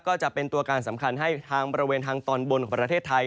ก็จะเป็นตัวการสำคัญให้ทางบริเวณทางตอนบนของประเทศไทย